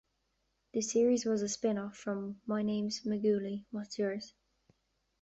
The series was a spin-off from My Name's McGooley, What's Yours?